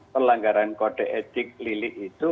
pelanggaran kode etik lilik itu